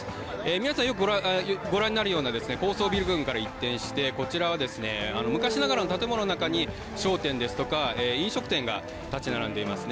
皆さん、よくご覧になるような高層ビル群から一転して、こちらはですね昔ながらの建物の中に、商店ですとか、飲食店が立ち並んでいますね。